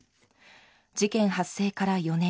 事件発生から４年。